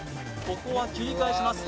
ここは切り返します